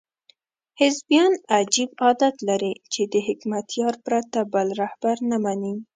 حزبیان عجیب عادت لري چې د حکمتیار پرته بل رهبر نه مني.